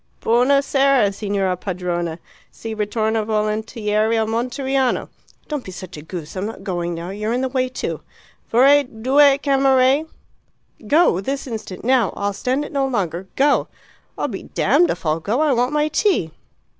"Buona sera, signora padrona. Si ritorna volontieri a Monteriano!" (Don't be a goose. I'm not going now. You're in the way, too.) "Vorrei due camere " "Go. This instant. Now. I'll stand it no longer. Go!" "I'm damned if I'll go. I want my tea."